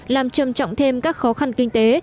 làm trầm trọng thêm các khó khăn kinh tế